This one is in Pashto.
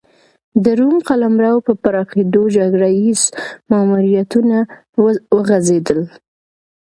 د روم قلمرو په پراخېدو جګړه ییز ماموریتونه وغځېدل